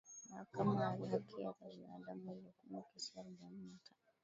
mahakama ya haki za binadamu ilihukumu kesi arobaini na tano